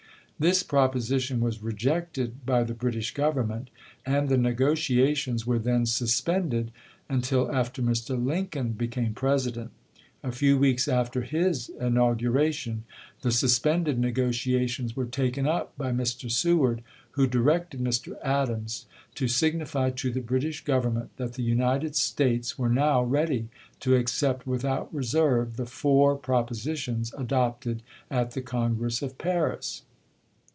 This proposition was rejected by the British Grovernment, and the negotiations were then suspended until after Mr. Lincoln became President. A few weeks after his inaugm^ation the suspended negotiations were taken up by Mr. Sew ard, who dii'ected Mr. Adams to signify to the British Grovernment that the United States were now ready to accept without reserve the four propositions adopted at the Congress of Paris.